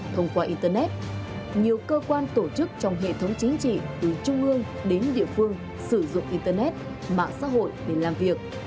thông qua internet nhiều cơ quan tổ chức trong hệ thống chính trị từ trung ương đến địa phương sử dụng internet mạng xã hội để làm việc